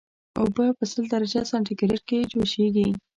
اوبه په سل درجه سانتي ګریډ کې جوشیږي